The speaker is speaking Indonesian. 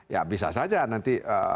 ya bisa saja nanti